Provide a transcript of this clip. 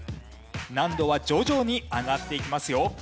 難度は徐々に上がっていきますよ。